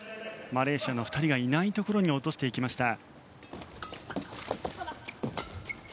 マレーシアの２人がいないところに落としました。